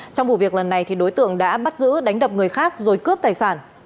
trong vụ việc lần này đối tượng đã bắt giữ đánh đập người khác rồi cướp tài sản